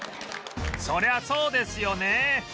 そりゃそうですよね